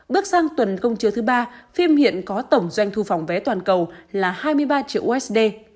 bước sang tuần công chứa thứ ba phim hiện có tổng doanh thu phòng vé toàn cầu là hai mươi ba triệu usd